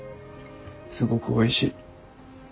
すごくおいしい。